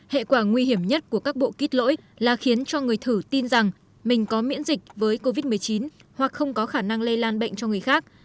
hệ quả nguy hiểm nhất của các bộ kít lỗi là khiến cho người thử tin rằng mình có miễn dịch với covid một mươi chín hoặc không có khả năng lây lan bệnh cho người khác